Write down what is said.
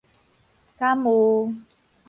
敢有